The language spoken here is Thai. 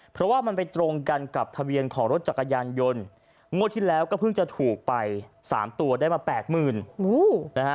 เพราะว่ามันไปตรงกันกับทะเบียนของรถจักรยานยนต์งวดที่แล้วก็เพิ่งจะถูกไปสามตัวได้มาแปดหมื่นนะฮะ